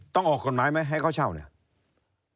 ออกกฎหมายไหมให้เขาเช่าเนี่ย